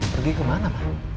pergi kemana ma